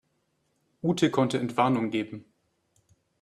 Ute konnte Entwarnung geben.